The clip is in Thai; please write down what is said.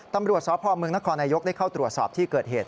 ตำรวจสพเมืองนครนายกได้เข้าตรวจสอบที่เกิดเหตุ